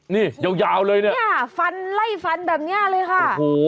นี่ยาวยาวเลยเนี่ยฟันไล่ฟันแบบนี้เลยค่ะโอ้โห